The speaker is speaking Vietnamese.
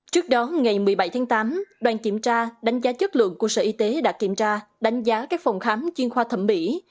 trước đó ngày một mươi bảy tháng tám đoàn kiểm tra đánh giá chất lượng của sở y tế đã kiểm tra đánh giá các phòng khám chuyên khoa thẩm mỹ